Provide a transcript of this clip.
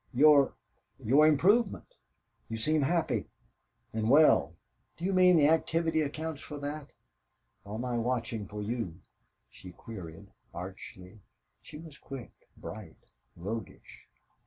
"Your your improvement. You seem happy and well." "Do you mean the activity accounts for that or my watching for you?" she queried, archly. She was quick, bright, roguish.